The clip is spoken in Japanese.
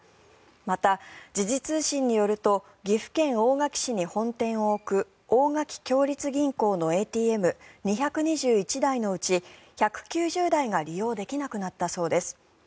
また、時事通信によると岐阜県大垣市に本店を置く大垣共立銀行のＡＴＭ２２１台のうち１９０台が利用できなくなったそうです。